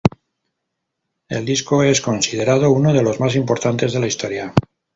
El disco es considerado uno de los más importantes de la historia.